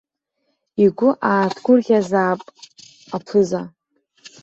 Игәы ааҭгәырӷьазаап аԥыза.